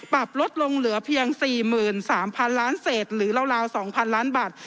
ปรับลดลงเหลือเพียงสี่หมื่นสามพันล้านเศษหรือราวสองพันล้านบาท